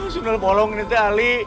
sundel bolong nanti alih